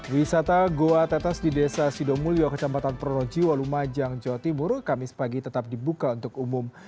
wisata gua tetes di desa sidomulyo kecampatan proronji walumajang jawa timur kamis pagi tetap dibuka untuk umum